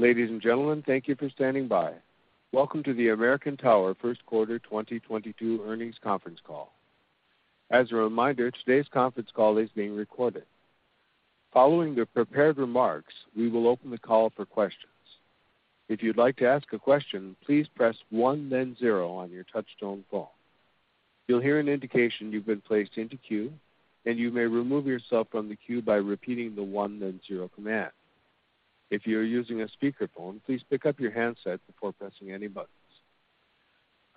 Ladies and gentlemen, thank you for standing by. Welcome to the American Tower First Quarter 2022 Earnings Conference Call. As a reminder, today's conference call is being recorded. Following the prepared remarks, we will open the call for questions. If you'd like to ask a question, please press one then zero on your touch-tone phone. You'll hear an indication you've been placed into queue, and you may remove yourself from the queue by repeating the one then zero command. If you're using a speakerphone, please pick up your handset before pressing any buttons.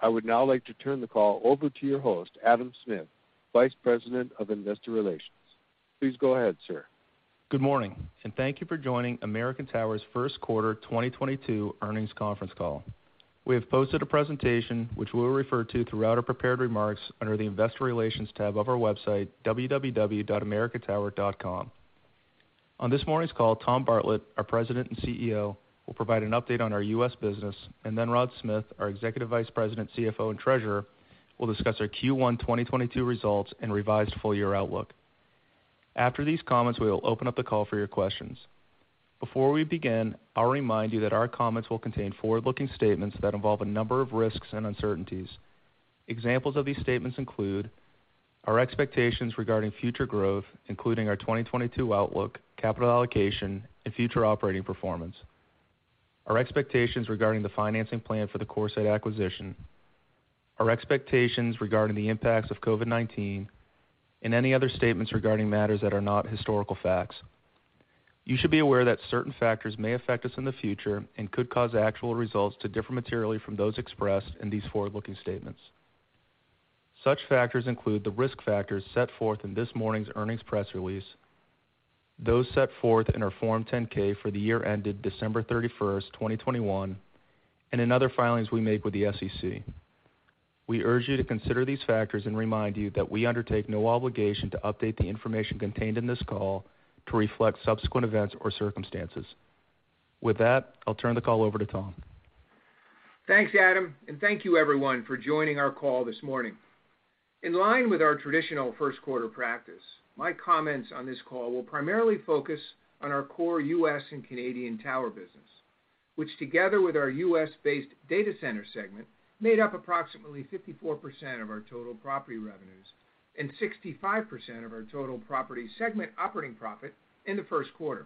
I would now like to turn the call over to your host, Adam Smith, Senior Vice President of Investor Relations. Please go ahead, sir. Good morning, and thank you for joining American Tower's first quarter 2022 earnings conference call. We have posted a presentation which we'll refer to throughout our prepared remarks under the Investor Relations tab of our website, www.americantower.com. On this morning's call, Tom Bartlett, our President and CEO, will provide an update on our U.S. business, and then Rod Smith, our Executive Vice President, CFO, and Treasurer, will discuss our Q1 2022 results and revised full year outlook. After these comments, we will open up the call for your questions. Before we begin, I'll remind you that our comments will contain forward-looking statements that involve a number of risks and uncertainties. Examples of these statements include our expectations regarding future growth, including our 2022 outlook, capital allocation, and future operating performance, our expectations regarding the financing plan for the CoreSite acquisition, our expectations regarding the impacts of COVID-19, and any other statements regarding matters that are not historical facts. You should be aware that certain factors may affect us in the future and could cause actual results to differ materially from those expressed in these forward-looking statements. Such factors include the risk factors set forth in this morning's earnings press release, those set forth in our Form 10-K for the year ended December 31st, 2021, and in other filings we make with the SEC. We urge you to consider these factors and remind you that we undertake no obligation to update the information contained in this call to reflect subsequent events or circumstances. With that, I'll turn the call over to Tom. Thanks, Adam, and thank you everyone for joining our call this morning. In line with our traditional first quarter practice, my comments on this call will primarily focus on our core U.S. and Canadian tower business, which together with our U.S. based data center segment, made up approximately 54% of our total property revenues and 65% of our total property segment operating profit in the first quarter.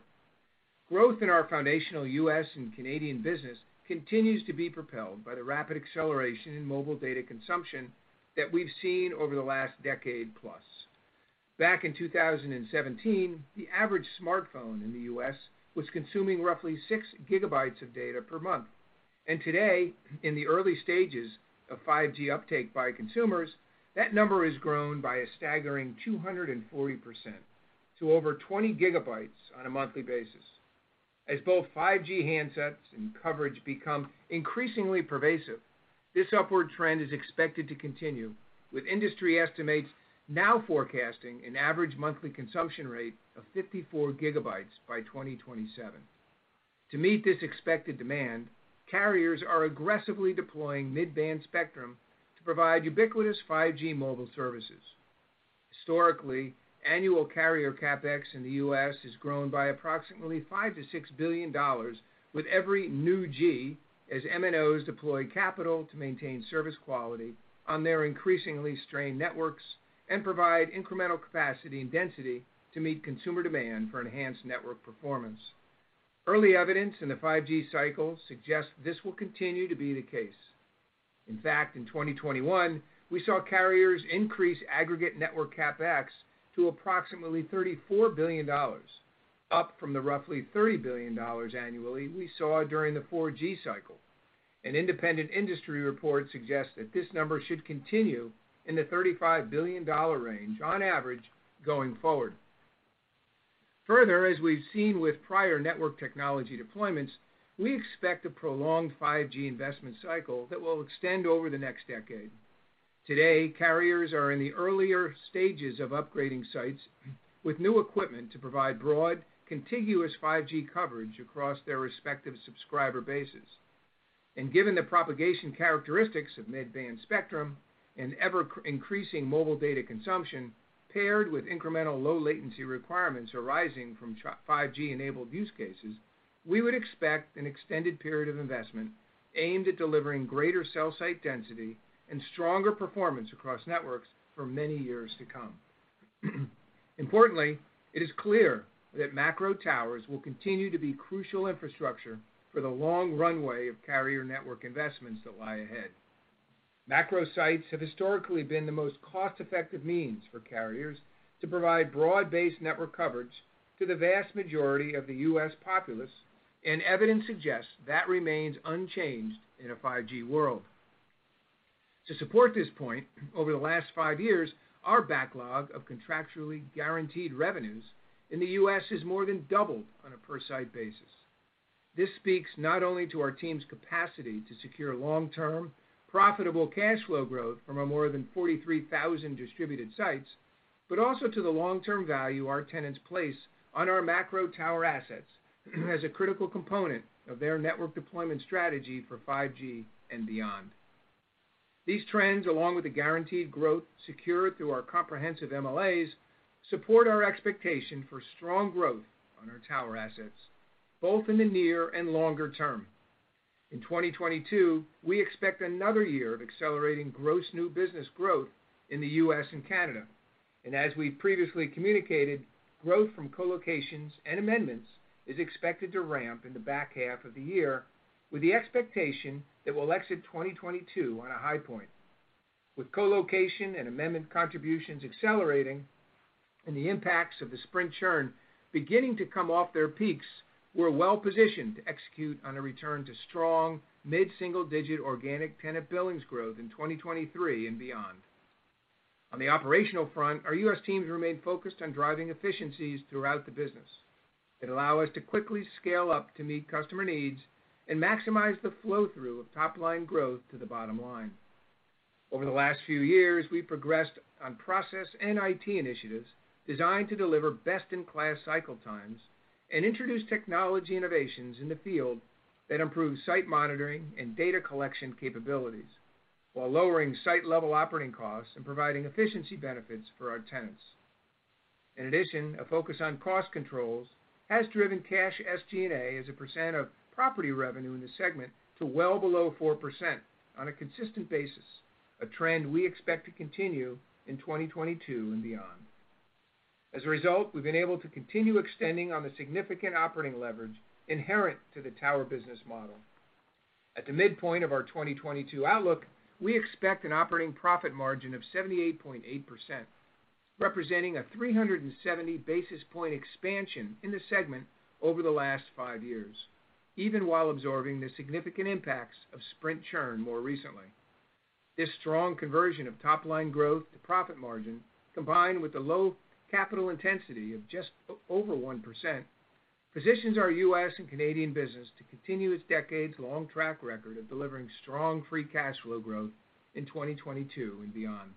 Growth in our foundational U.S. and Canadian business continues to be propelled by the rapid acceleration in mobile data consumption that we've seen over the last decade plus. Back in 2017, the average smartphone in the U.S. was consuming roughly 6 GB of data per month. Today, in the early stages of 5G uptake by consumers, that number has grown by a staggering 240% to over 20 GB on a monthly basis. As both 5G handsets and coverage become increasingly pervasive, this upward trend is expected to continue, with industry estimates now forecasting an average monthly consumption rate of 54 GB by 2027. To meet this expected demand, carriers are aggressively deploying mid-band spectrum to provide ubiquitous 5G mobile services. Historically, annual carrier CapEx in the U.S. has grown by approximately $5 billion-$6 billion with every new G as MNOs deploy capital to maintain service quality on their increasingly strained networks and provide incremental capacity and density to meet consumer demand for enhanced network performance. Early evidence in the 5G cycle suggests this will continue to be the case. In fact, in 2021, we saw carriers increase aggregate network CapEx to approximately $34 billion, up from the roughly $30 billion annually we saw during the 4G cycle. An independent industry report suggests that this number should continue in the $35 billion range on average going forward. Further, as we've seen with prior network technology deployments, we expect a prolonged 5G investment cycle that will extend over the next decade. Today, carriers are in the earlier stages of upgrading sites with new equipment to provide broad, contiguous 5G coverage across their respective subscriber bases. Given the propagation characteristics of mid-band spectrum and ever-increasing mobile data consumption paired with incremental low latency requirements arising from 5G-enabled use cases, we would expect an extended period of investment aimed at delivering greater cell site density and stronger performance across networks for many years to come. Importantly, it is clear that macro towers will continue to be crucial infrastructure for the long runway of carrier network investments that lie ahead. Macro sites have historically been the most cost-effective means for carriers to provide broad-based network coverage to the vast majority of the U.S. populace, and evidence suggests that remains unchanged in a 5G world. To support this point, over the last five years, our backlog of contractually guaranteed revenues in the U.S. has more than doubled on a per-site basis. This speaks not only to our team's capacity to secure long-term, profitable cash flow growth from our more than 43,000 distributed sites, but also to the long-term value our tenants place on our macro tower assets as a critical component of their network deployment strategy for 5G and beyond. These trends, along with the guaranteed growth secured through our comprehensive MLAs, support our expectation for strong growth on our tower assets, both in the near and longer term. In 2022, we expect another year of accelerating gross new business growth in the U.S. and Canada. As we previously communicated, growth from co-locations and amendments is expected to ramp in the back half of the year, with the expectation that we'll exit 2022 on a high point. With co-location and amendment contributions accelerating and the impacts of the Sprint churn beginning to come off their peaks, we're well-positioned to execute on a return to strong mid-single-digit organic tenant billings growth in 2023 and beyond. On the operational front, our U.S. teams remain focused on driving efficiencies throughout the business that allow us to quickly scale up to meet customer needs and maximize the flow-through of top-line growth to the bottom line. Over the last few years, we've progressed on process and IT initiatives designed to deliver best-in-class cycle times and introduce technology innovations in the field that improve site monitoring and data collection capabilities while lowering site-level operating costs and providing efficiency benefits for our tenants. In addition, a focus on cost controls has driven cash SG&A as a percent of property revenue in the segment to well below 4% on a consistent basis, a trend we expect to continue in 2022 and beyond. As a result, we've been able to continue extending on the significant operating leverage inherent to the tower business model. At the midpoint of our 2022 outlook, we expect an operating profit margin of 78.8%, representing a 370 basis point expansion in the segment over the last five years, even while absorbing the significant impacts of Sprint churn more recently. This strong conversion of top-line growth to profit margin, combined with the low capital intensity of just over 1%, positions our U.S. and Canadian business to continue its decades-long track record of delivering strong free cash flow growth in 2022 and beyond.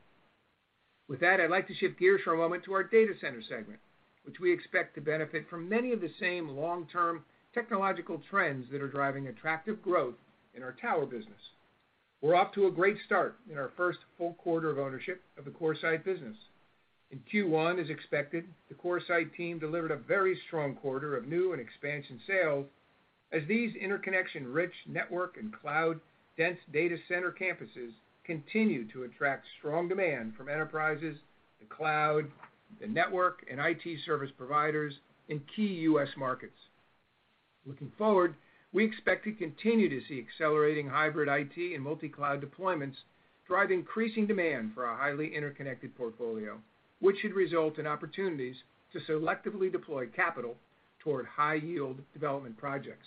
With that, I'd like to shift gears for a moment to our data center segment, which we expect to benefit from many of the same long-term technological trends that are driving attractive growth in our tower business. We're off to a great start in our first full quarter of ownership of the CoreSite business. In Q1, as expected, the CoreSite team delivered a very strong quarter of new and expansion sales as these interconnection-rich network and cloud-dense data center campuses continue to attract strong demand from enterprises, the cloud, the network, and IT service providers in key U.S. markets. Looking forward, we expect to continue to see accelerating hybrid IT and multi-cloud deployments drive increasing demand for our highly interconnected portfolio, which should result in opportunities to selectively deploy capital toward high-yield development projects.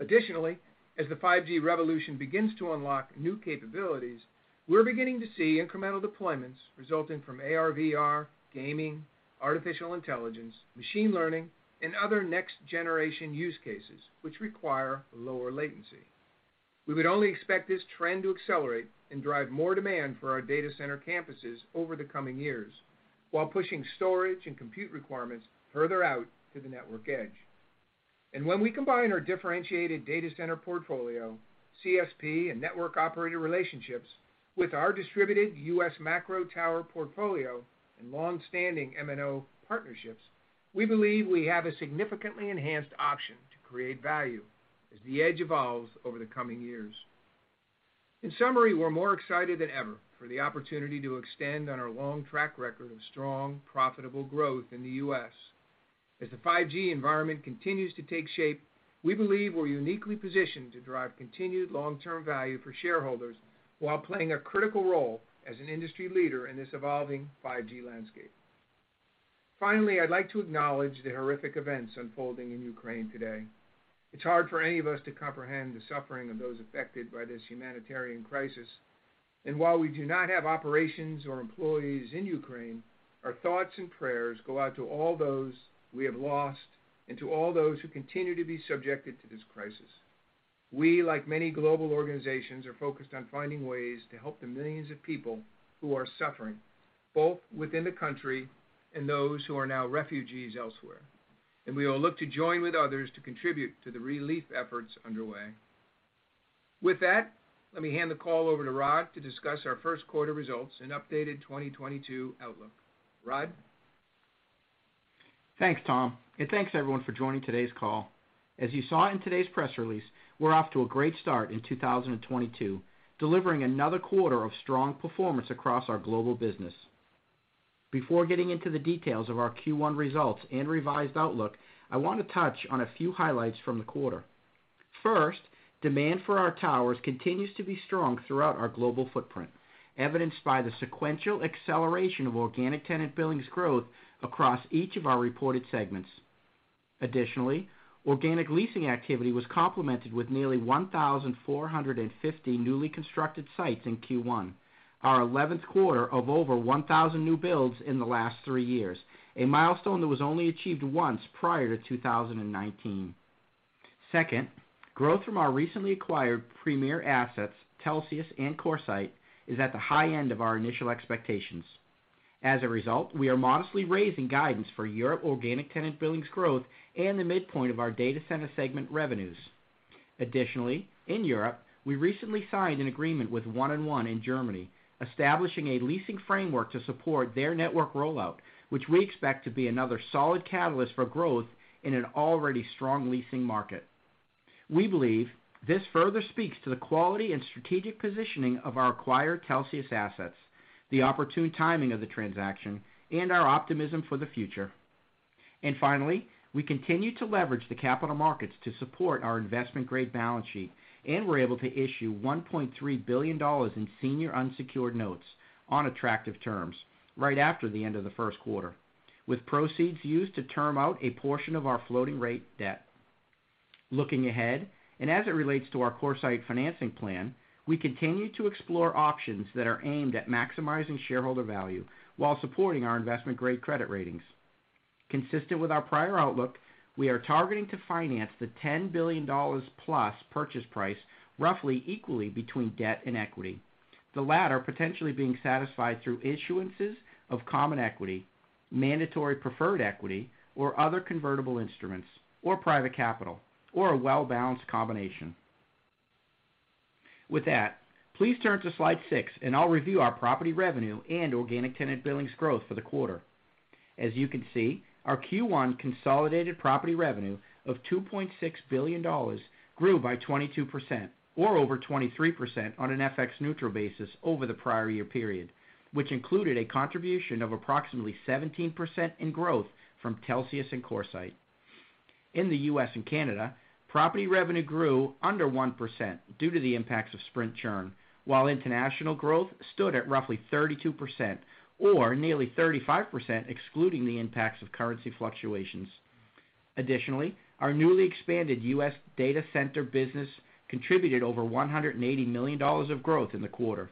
Additionally, as the 5G revolution begins to unlock new capabilities, we're beginning to see incremental deployments resulting from AR/VR, gaming, artificial intelligence, machine learning, and other next-generation use cases which require lower latency. We would only expect this trend to accelerate and drive more demand for our data center campuses over the coming years while pushing storage and compute requirements further out to the network edge. When we combine our differentiated data center portfolio, CSP, and network operator relationships with our distributed U.S. macro tower portfolio and long-standing MNO partnerships, we believe we have a significantly enhanced option to create value as the edge evolves over the coming years. In summary, we're more excited than ever for the opportunity to extend on our long track record of strong, profitable growth in the U.S. As the 5G environment continues to take shape, we believe we're uniquely positioned to drive continued long-term value for shareholders while playing a critical role as an industry leader in this evolving 5G landscape. Finally, I'd like to acknowledge the horrific events unfolding in Ukraine today. It's hard for any of us to comprehend the suffering of those affected by this humanitarian crisis. While we do not have operations or employees in Ukraine, our thoughts and prayers go out to all those we have lost and to all those who continue to be subjected to this crisis. We, like many global organizations, are focused on finding ways to help the millions of people who are suffering, both within the country and those who are now refugees elsewhere. We will look to join with others to contribute to the relief efforts underway. With that, let me hand the call over to Rod to discuss our first quarter results and updated 2022 outlook. Rod? Thanks, Tom. Thanks, everyone, for joining today's call. As you saw in today's press release, we're off to a great start in 2022, delivering another quarter of strong performance across our global business. Before getting into the details of our Q1 results and revised outlook, I want to touch on a few highlights from the quarter. First, demand for our towers continues to be strong throughout our global footprint, evidenced by the sequential acceleration of organic tenant billings growth across each of our reported segments. Additionally, organic leasing activity was complemented with nearly 1,450 newly constructed sites in Q1, our eleventh quarter of over 1,000 new builds in the last three years, a milestone that was only achieved once prior to 2019. Second, growth from our recently acquired premier assets, Telxius and CoreSite, is at the high end of our initial expectations. As a result, we are modestly raising guidance for Europe organic tenant billings growth and the midpoint of our data center segment revenues. Additionally, in Europe, we recently signed an agreement with 1&1 in Germany, establishing a leasing framework to support their network rollout, which we expect to be another solid catalyst for growth in an already strong leasing market. We believe this further speaks to the quality and strategic positioning of our acquired Telxius assets, the opportune timing of the transaction, and our optimism for the future. Finally, we continue to leverage the capital markets to support our investment-grade balance sheet, and we're able to issue $1.3 billion in senior unsecured notes on attractive terms right after the end of the first quarter, with proceeds used to term out a portion of our floating rate debt. Looking ahead, and as it relates to our CoreSite financing plan, we continue to explore options that are aimed at maximizing shareholder value while supporting our investment-grade credit ratings. Consistent with our prior outlook, we are targeting to finance the $10 billion plus purchase price roughly equally between debt and equity, the latter potentially being satisfied through issuances of common equity, mandatory preferred equity, or other convertible instruments, or private capital, or a well-balanced combination. With that, please turn to slide 6 and I'll review our property revenue and organic tenant billings growth for the quarter. As you can see, our Q1 consolidated property revenue of $2.6 billion grew by 22% or over 23% on an FX neutral basis over the prior year period, which included a contribution of approximately 17% in growth from Telxius and CoreSite. In the U.S. and Canada, property revenue grew under 1% due to the impacts of Sprint churn, while international growth stood at roughly 32% or nearly 35% excluding the impacts of currency fluctuations. Additionally, our newly expanded U.S. data center business contributed over $180 million of growth in the quarter.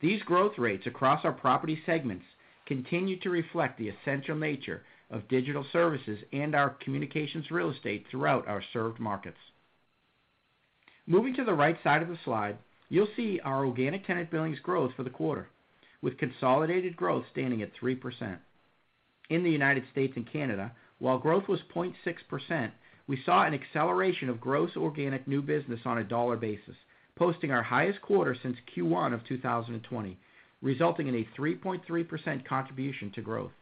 These growth rates across our property segments continue to reflect the essential nature of digital services and our communications real estate throughout our served markets. Moving to the right side of the slide, you'll see our organic tenant billings growth for the quarter, with consolidated growth standing at 3%. In the United States and Canada, while growth was 0.6%, we saw an acceleration of gross organic new business on a dollar basis, posting our highest quarter since Q1 of 2020, resulting in a 3.3% contribution to growth.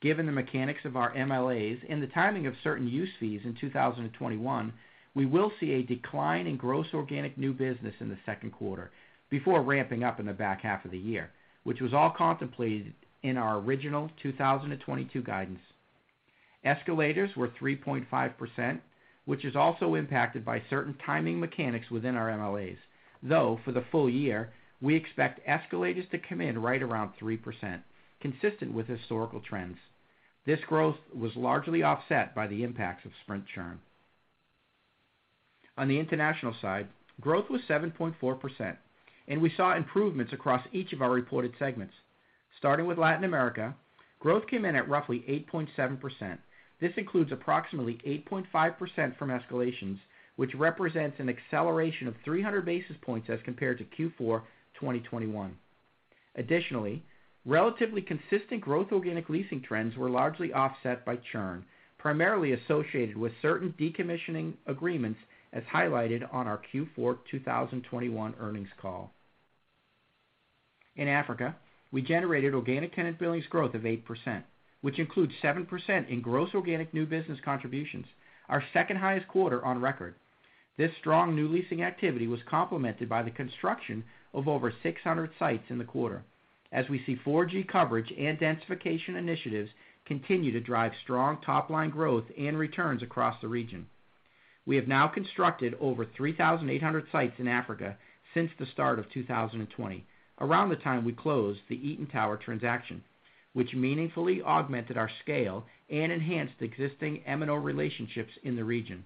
Given the mechanics of our MLAs and the timing of certain use fees in 2021, we will see a decline in gross organic new business in the second quarter before ramping up in the back half of the year, which was all contemplated in our original 2022 guidance. Escalators were 3.5%, which is also impacted by certain timing mechanics within our MLAs. Though for the full year, we expect escalators to come in right around 3%, consistent with historical trends. This growth was largely offset by the impacts of Sprint churn. On the international side, growth was 7.4%, and we saw improvements across each of our reported segments. Starting with Latin America, growth came in at roughly 8.7%. This includes approximately 8.5% from escalations, which represents an acceleration of 300 basis points as compared to Q4 2021. Additionally, relatively consistent organic leasing growth trends were largely offset by churn, primarily associated with certain decommissioning agreements as highlighted on our Q4 2021 earnings call. In Africa, we generated organic tenant billings growth of 8%, which includes 7% in gross organic new business contributions, our second-highest quarter on record. This strong new leasing activity was complemented by the construction of over 600 sites in the quarter as we see 4G coverage and densification initiatives continue to drive strong top-line growth and returns across the region. We have now constructed over 3,800 sites in Africa since the start of 2020, around the time we closed the Eaton Towers transaction, which meaningfully augmented our scale and enhanced existing MNO relationships in the region.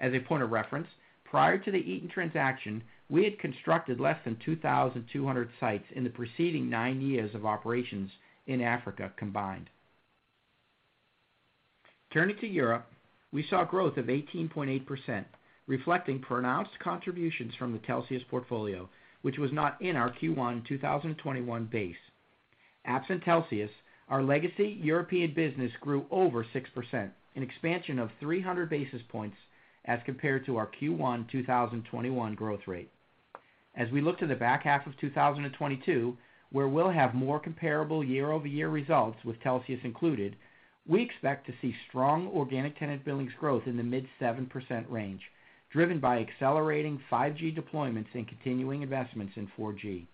As a point of reference, prior to the Eaton transaction, we had constructed less than 2,200 sites in the preceding nine years of operations in Africa combined. Turning to Europe, we saw growth of 18.8%, reflecting pronounced contributions from the Telxius portfolio, which was not in our Q1 2021 base. Absent Telxius, our legacy European business grew over 6%, an expansion of 300 basis points as compared to our Q1 2021 growth rate. As we look to the back half of 2022, where we'll have more comparable year-over-year results with Telxius included, we expect to see strong organic tenant billings growth in the mid-7% range, driven by accelerating 5G deployments and continuing investments in 4G.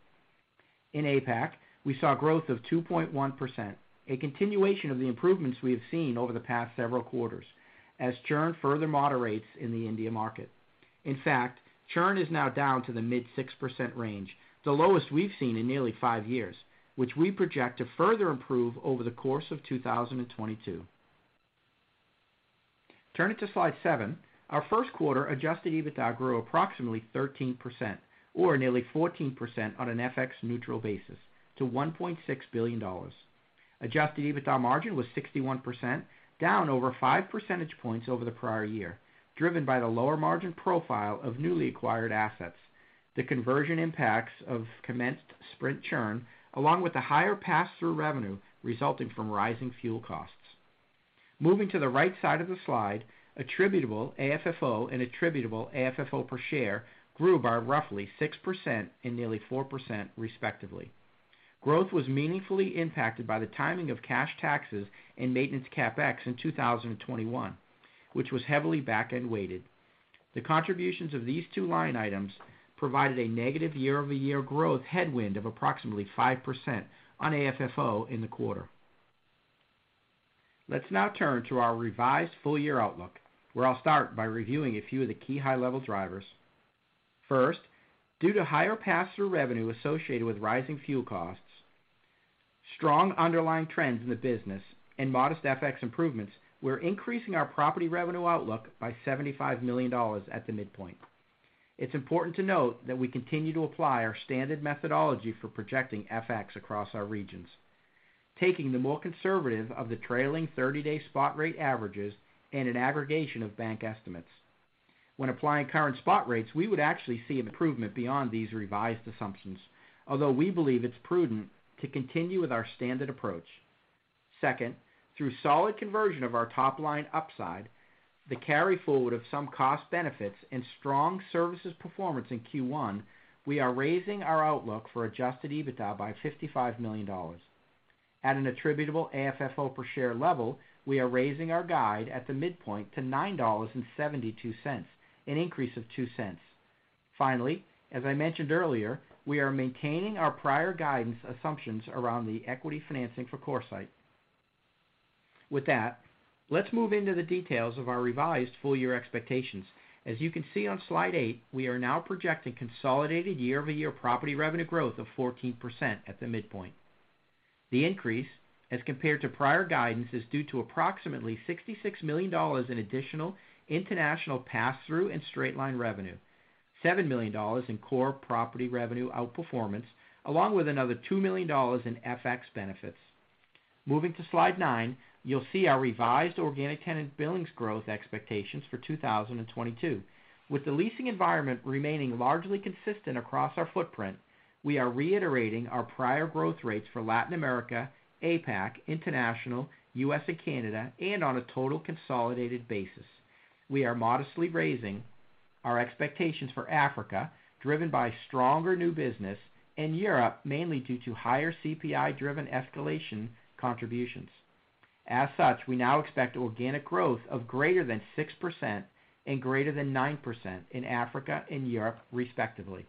In APAC, we saw growth of 2.1%, a continuation of the improvements we have seen over the past several quarters as churn further moderates in the India market. In fact, churn is now down to the mid-6% range, the lowest we've seen in nearly five years, which we project to further improve over the course of 2022. Turning to slide seven, our first quarter adjusted EBITDA grew approximately 13% or nearly 14% on an FX neutral basis to $1.6 billion. Adjusted EBITDA margin was 61%, down over five percentage points over the prior year, driven by the lower margin profile of newly acquired assets, the conversion impacts of commenced Sprint churn, along with the higher pass-through revenue resulting from rising fuel costs. Moving to the right side of the slide, attributable AFFO and attributable AFFO per share grew by roughly 6% and nearly 4% respectively. Growth was meaningfully impacted by the timing of cash taxes and maintenance CapEx in 2021, which was heavily back-end weighted. The contributions of these two line items provided a negative year-over-year growth headwind of approximately 5% on AFFO in the quarter. Let's now turn to our revised full year outlook, where I'll start by reviewing a few of the key high-level drivers. First, due to higher pass-through revenue associated with rising fuel costs, strong underlying trends in the business and modest FX improvements, we're increasing our property revenue outlook by $75 million at the midpoint. It's important to note that we continue to apply our standard methodology for projecting FX across our regions, taking the more conservative of the trailing 30-day spot rate averages and an aggregation of bank estimates. When applying current spot rates, we would actually see an improvement beyond these revised assumptions, although we believe it's prudent to continue with our standard approach. Second, through solid conversion of our top line upside, the carry-forward of some cost benefits, and strong services performance in Q1, we are raising our outlook for adjusted EBITDA by $55 million. At an attributable AFFO per share level, we are raising our guide at the midpoint to $9.72, an increase of $0.2. Finally, as I mentioned earlier, we are maintaining our prior guidance assumptions around the equity financing for CoreSite. With that, let's move into the details of our revised full year expectations. As you can see on slide eight, we are now projecting consolidated year-over-year property revenue growth of 14% at the midpoint. The increase as compared to prior guidance is due to approximately $66 million in additional international pass-through and straight line revenue, $7 million in core property revenue outperformance, along with another $2 million in FX benefits. Moving to slide nine, you'll see our revised organic tenant billings growth expectations for 2022. With the leasing environment remaining largely consistent across our footprint, we are reiterating our prior growth rates for Latin America, APAC, International, U.S. and Canada, and on a total consolidated basis. We are modestly raising our expectations for Africa, driven by stronger new business, and Europe, mainly due to higher CPI-driven escalation contributions. As such, we now expect organic growth of greater than 6% and greater than 9% in Africa and Europe, respectively.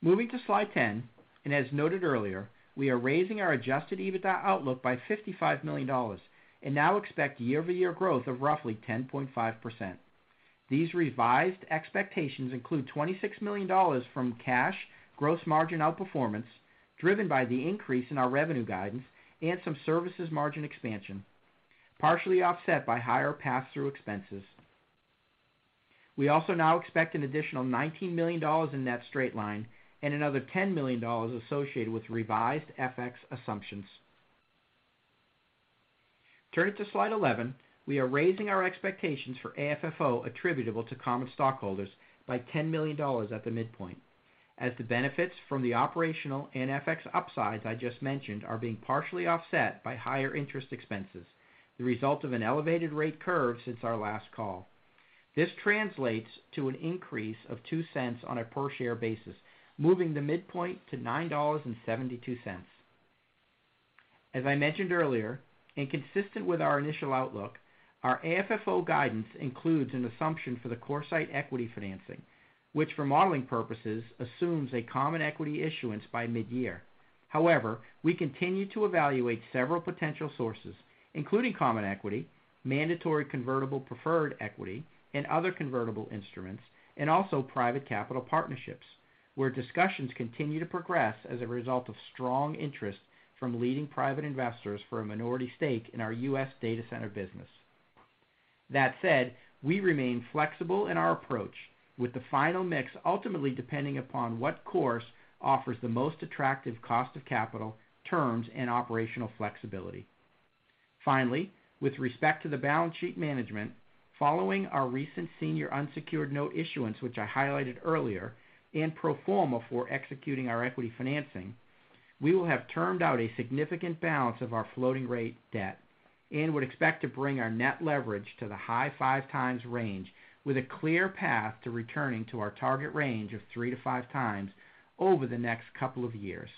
Moving to slide 10, and as noted earlier, we are raising our adjusted EBITDA outlook by $55 million and now expect year-over-year growth of roughly 10.5%. These revised expectations include $26 million from cash gross margin outperformance, driven by the increase in our revenue guidance and some services margin expansion, partially offset by higher pass-through expenses. We also now expect an additional $19 million in net straight-line and another $10 million associated with revised FX assumptions. Turning to slide 11. We are raising our expectations for AFFO attributable to common stockholders by $10 million at the midpoint, as the benefits from the operational and FX upsides I just mentioned are being partially offset by higher interest expenses, the result of an elevated rate curve since our last call. This translates to an increase of $0.02 on a per share basis, moving the midpoint to $9.72. As I mentioned earlier, and consistent with our initial outlook, our AFFO guidance includes an assumption for the CoreSite equity financing, which for modeling purposes assumes a common equity issuance by mid-year. However, we continue to evaluate several potential sources, including common equity, mandatory convertible preferred equity, and other convertible instruments, and also private capital partnerships, where discussions continue to progress as a result of strong interest from leading private investors for a minority stake in our U.S. data center business. That said, we remain flexible in our approach, with the final mix ultimately depending upon what course offers the most attractive cost of capital terms and operational flexibility. Finally, with respect to the balance sheet management, following our recent senior unsecured note issuance, which I highlighted earlier, and pro forma for executing our equity financing, we will have termed out a significant balance of our floating rate debt and would expect to bring our net leverage to the high 5x range with a clear path to returning to our target range of 3-5x over the next couple of years.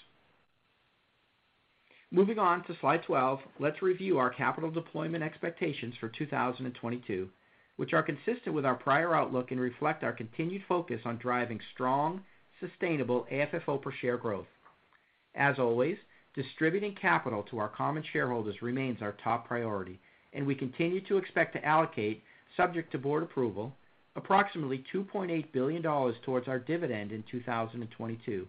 Moving on to slide 12. Let's review our capital deployment expectations for 2022, which are consistent with our prior outlook and reflect our continued focus on driving strong, sustainable AFFO per share growth. As always, distributing capital to our common shareholders remains our top priority, and we continue to expect to allocate, subject to board approval, approximately $2.8 billion towards our dividend in 2022.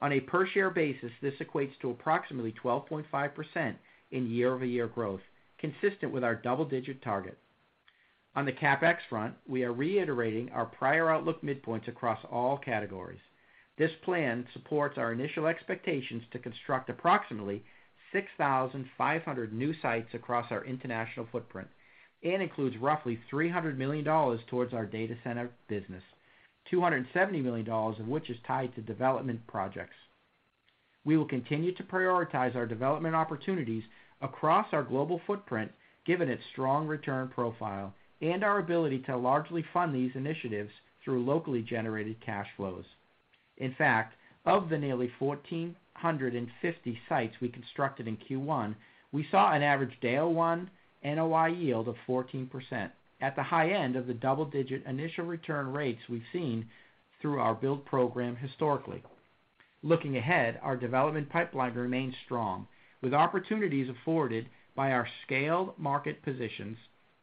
On a per share basis, this equates to approximately 12.5% in year-over-year growth, consistent with our double-digit target. On the CapEx front, we are reiterating our prior outlook midpoints across all categories. This plan supports our initial expectations to construct approximately 6,500 new sites across our international footprint and includes roughly $300 million towards our data center business, $270 million of which is tied to development projects. We will continue to prioritize our development opportunities across our global footprint given its strong return profile and our ability to largely fund these initiatives through locally generated cash flows. In fact, of the nearly 1,450 sites we constructed in Q1, we saw an average day one NOI yield of 14% at the high end of the double-digit initial return rates we've seen through our build program historically. Looking ahead, our development pipeline remains strong, with opportunities afforded by our scaled market positions,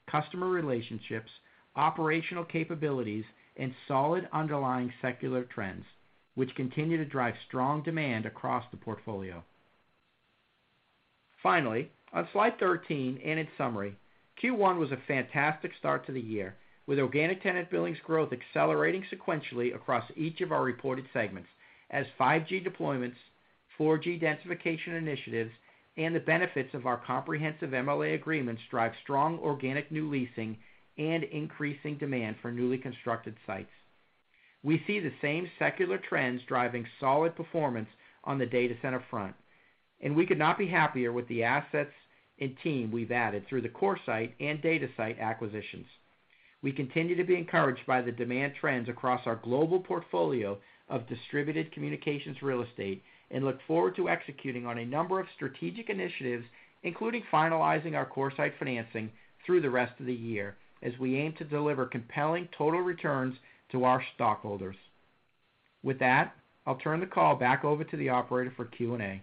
customer relationships, operational capabilities, and solid underlying secular trends, which continue to drive strong demand across the portfolio. Finally, on slide 13 and in summary, Q1 was a fantastic start to the year, with Organic Tenant Billings Growth accelerating sequentially across each of our reported segments as 5G deployments, 4G densification initiatives, and the benefits of our comprehensive MLA agreements drive strong organic new leasing and increasing demand for newly constructed sites. We see the same secular trends driving solid performance on the data center front, and we could not be happier with the assets and team we've added through the CoreSite and DataSite acquisitions. We continue to be encouraged by the demand trends across our global portfolio of distributed communications real estate, and look forward to executing on a number of strategic initiatives, including finalizing our CoreSite financing through the rest of the year as we aim to deliver compelling total returns to our stockholders. With that, I'll turn the call back over to the operator for Q&A.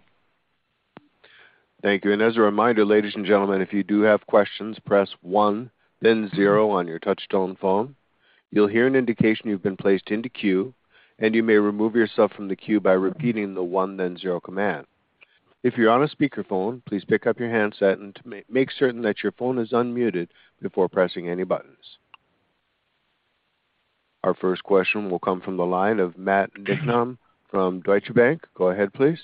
Thank you. As a reminder, ladies and gentlemen, if you do have questions, press one then zero on your touchtone phone. You'll hear an indication you've been placed into queue, and you may remove yourself from the queue by repeating the one then zero command. If you're on a speakerphone, please pick up your handset and make certain that your phone is unmuted before pressing any buttons. Our first question will come from the line of Matt Niknam from Deutsche Bank. Go ahead, please.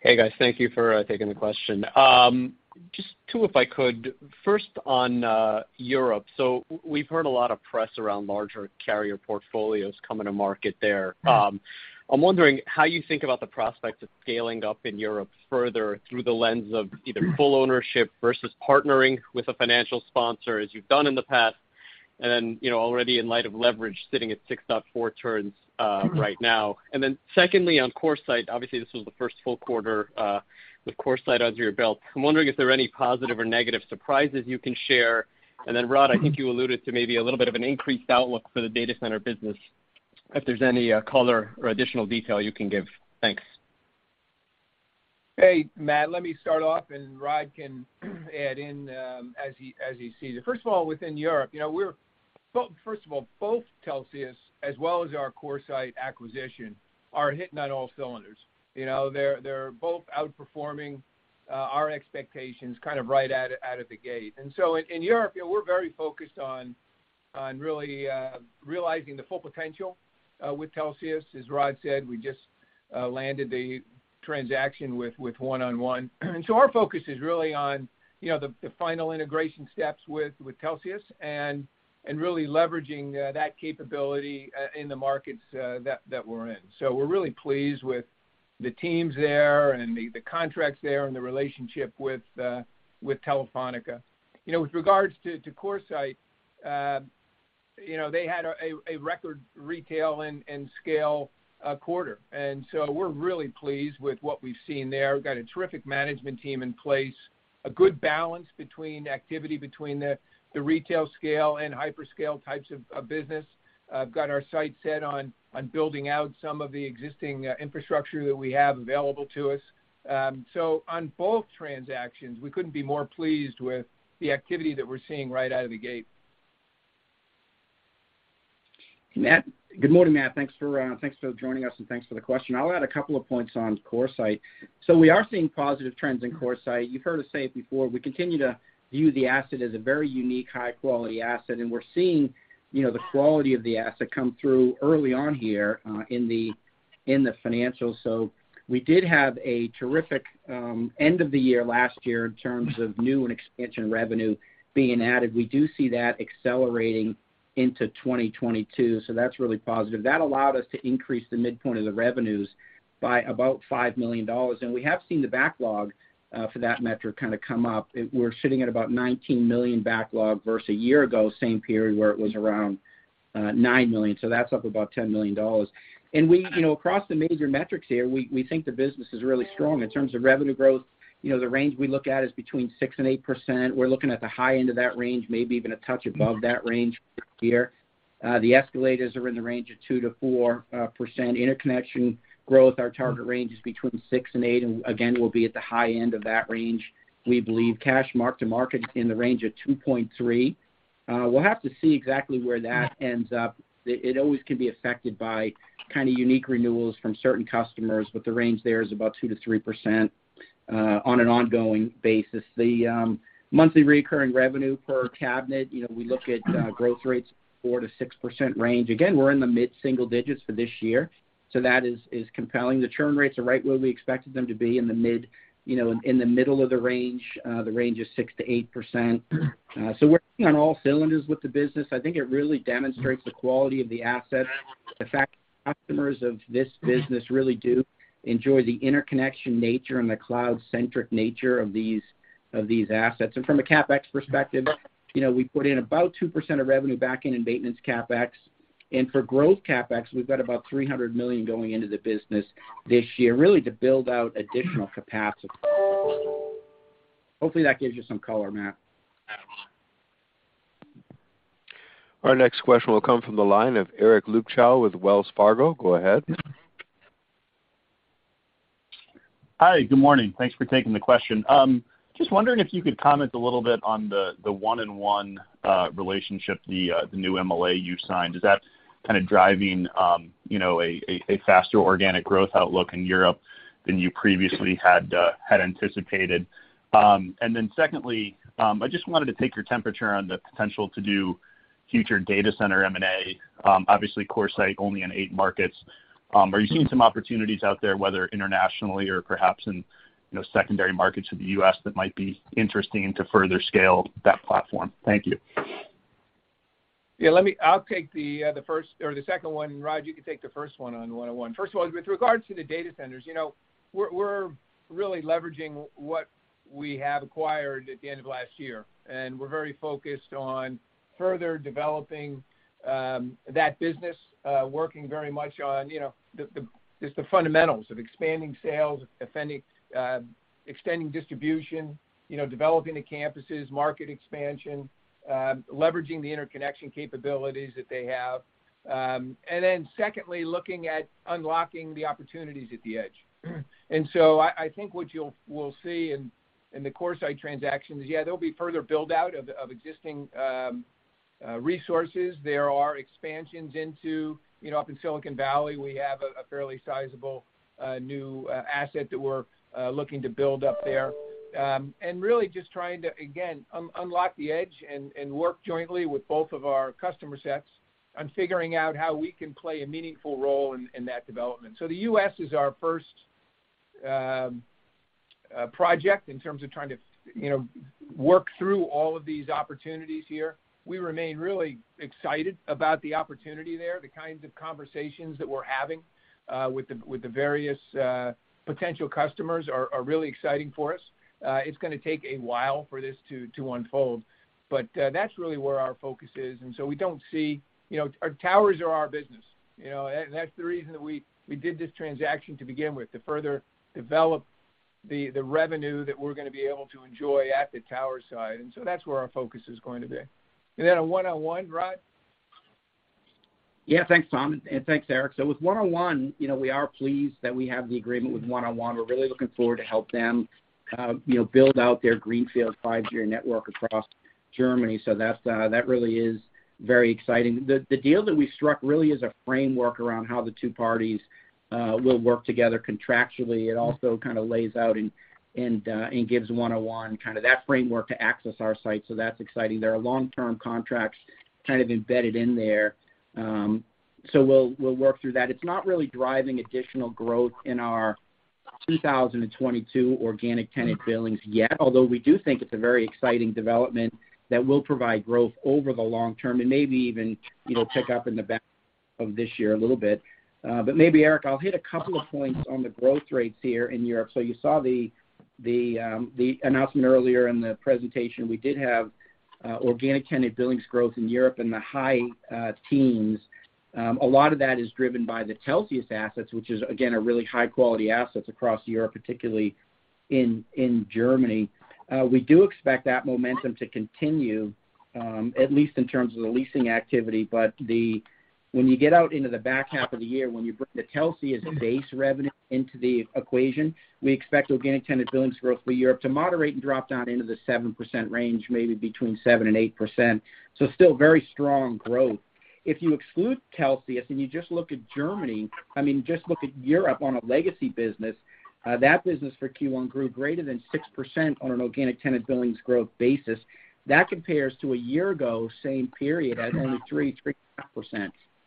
Hey, guys. Thank you for taking the question. Just two, if I could. First on Europe. We've heard a lot of press around larger carrier portfolios coming to market there. I'm wondering how you think about the prospect of scaling up in Europe further through the lens of either full ownership versus partnering with a financial sponsor as you've done in the past, and then, you know, already in light of leverage sitting at 6.4x right now. Secondly, on CoreSite, obviously, this was the first full quarter with CoreSite under your belt. I'm wondering if there are any positive or negative surprises you can share. Rod, I think you alluded to maybe a little bit of an increased outlook for the data center business, if there's any color or additional detail you can give. Thanks. Hey, Matt. Let me start off, and Rod can add in as he sees it. First of all, within Europe, you know, we're well, first of all, both Telxius as well as our CoreSite acquisition are hitting on all cylinders. You know, they're both outperforming our expectations kind of right out of the gate. In Europe, you know, we're very focused on really realizing the full potential with Telxius. As Rod said, we just landed the transaction with 1&1. Our focus is really on, you know, the final integration steps with Telxius and really leveraging that capability in the markets that we're in. We're really pleased with the teams there and the contracts there and the relationship with Telefónica. You know, with regards to CoreSite, you know, they had a record retail and scale quarter. We're really pleased with what we've seen there. We've got a terrific management team in place, a good balance between activity between the retail scale and hyperscale types of business. We've got our sights set on building out some of the existing infrastructure that we have available to us. On both transactions, we couldn't be more pleased with the activity that we're seeing right out of the gate. Matt. Good morning, Matt. Thanks for joining us, and thanks for the question. I'll add a couple of points on CoreSite. We are seeing positive trends in CoreSite. You've heard us say it before. We continue to view the asset as a very unique high-quality asset, and we're seeing, you know, the quality of the asset come through early on here, in the financials. We did have a terrific end of the year last year in terms of new and expansion revenue being added. We do see that accelerating into 2022, that's really positive. That allowed us to increase the midpoint of the revenues by about $5 million. We have seen the backlog for that metric kind of come up. We're sitting at about $19 million backlog versus a year ago, same period, where it was around $9 million. That's up about $10 million. We you know, across the major metrics here, we think the business is really strong. In terms of revenue growth, you know, the range we look at is between 6% and 8%. We're looking at the high end of that range, maybe even a touch above that range for this year. The escalators are in the range of 2%-4%. Interconnection growth, our target range is between 6% and 8%, and again, we'll be at the high end of that range, we believe. Cash mark-to-market in the range of 2.3%. We'll have to see exactly where that ends up. It always can be affected by kind of unique renewals from certain customers, but the range there is about 2%-3%, on an ongoing basis. The monthly recurring revenue per cabinet, you know, we look at growth rates 4%-6% range. We're in the mid single digits for this year, so that is compelling. The churn rates are right where we expected them to be in the mid, you know, in the middle of the range, the range of 6%-8%. So working on all cylinders with the business, I think it really demonstrates the quality of the assets. The fact customers of this business really do enjoy the interconnection nature and the cloud-centric nature of these assets. From a CapEx perspective, you know, we put in about 2% of revenue back in maintenance CapEx. For growth CapEx, we've got about $300 million going into the business this year, really to build out additional capacity. Hopefully, that gives you some color, Matt. Our next question will come from the line of Eric Luebchow with Wells Fargo, go ahead. Hi, good morning. Thanks for taking the question. Just wondering if you could comment a little bit on the 1&1 relationship, the new MLA you signed. Is that kind of driving you know a faster organic growth outlook in Europe than you previously had anticipated? And then secondly, I just wanted to take your temperature on the potential to do future data center M&A. Obviously, CoreSite only in eight markets. Are you seeing some opportunities out there, whether internationally or perhaps in you know secondary markets in the U.S. that might be interesting to further scale that platform? Thank you. Yeah, let me I'll take the first or the second one, and Rod, you can take the first one on 1&1. First of all, with regards to the data centers, you know, we're really leveraging what we have acquired at the end of last year, and we're very focused on further developing that business, working very much on, you know, the fundamentals of expanding sales, extending distribution, you know, developing the campuses, market expansion, leveraging the interconnection capabilities that they have. Then secondly, looking at unlocking the opportunities at the edge. I think what we'll see in the CoreSite transactions, yeah, there'll be further build-out of existing resources. There are expansions into, you know, up in Silicon Valley, we have a fairly sizable new asset that we're looking to build up there. Really just trying to, again, unlock the edge and work jointly with both of our customer sets on figuring out how we can play a meaningful role in that development. The U.S. is our first project in terms of trying to, you know, work through all of these opportunities here. We remain really excited about the opportunity there. The kinds of conversations that we're having with the various potential customers are really exciting for us. It's gonna take a while for this to unfold, but that's really where our focus is. We don't see, you know, our towers are our business, you know. That's the reason that we did this transaction to begin with, to further develop the revenue that we're gonna be able to enjoy at the tower site. That's where our focus is going to be. Then a 1&1, Rod? Yeah. Thanks, Tom, and thanks, Eric. With 1&1, you know, we are pleased that we have the agreement with 1&1. We're really looking forward to help them, you know, build out their greenfield five-year network across Germany. That's really very exciting. The deal that we struck really is a framework around how the two parties will work together contractually. It also kind of lays out and gives 1&1 kind of that framework to access our site. That's exciting. There are long-term contracts kind of embedded in there. We'll work through that. It's not really driving additional growth in our 2022 organic tenant billings yet, although we do think it's a very exciting development that will provide growth over the long term and maybe even, you know, pick up in the back of this year a little bit. Maybe, Eric, I'll hit a couple of points on the growth rates here in Europe. You saw the announcement earlier in the presentation. We did have organic tenant billings growth in Europe in the high teens. A lot of that is driven by the Telxius assets, which, again, are really high-quality assets across Europe, particularly in Germany. We do expect that momentum to continue, at least in terms of the leasing activity. When you get out into the back half of the year, when you bring the Telxius base revenue into the equation, we expect organic tenant billings growth for Europe to moderate and drop down into the 7% range, maybe 7%-8%. Still very strong growth. If you exclude Telxius, and you just look at Germany, I mean, just look at Europe on a legacy business, that business for Q1 grew greater than 6% on an organic tenant billings growth basis. That compares to a year ago, same period, at only 3%.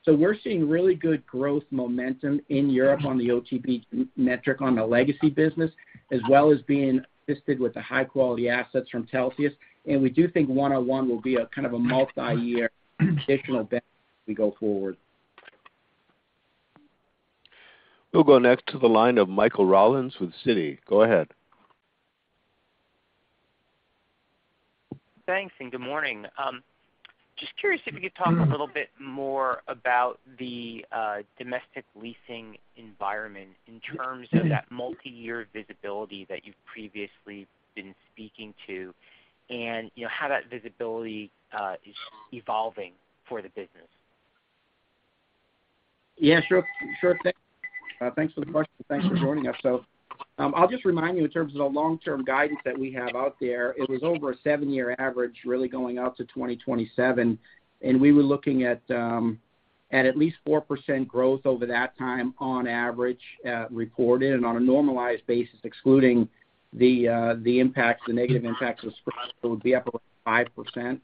We're seeing really good growth momentum in Europe on the OTB metric on the legacy business, as well as being assisted with the high-quality assets from Telxius. We do think 1&1 will be a kind of a multiyear additional benefit as we go forward. We'll go next to the line of Michael Rollins with Citi, go ahead. Thanks, and good morning. Just curious if you could talk a little bit more about the domestic leasing environment in terms of that multiyear visibility that you've previously been speaking to, and, you know, how that visibility is evolving for the business? Yeah, sure. Thanks for the question. Thanks for joining us. I'll just remind you in terms of the long-term guidance that we have out there, it was over a seven-year average really going out to 2027. We were looking at least 4% growth over that time on average, reported. On a normalized basis, excluding the impacts, the negative impacts of Sprint, it would be up about 5%.